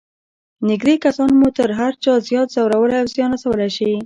نږدې کسان مو تر هر چا زیات ځورولای او زیان رسولای شي.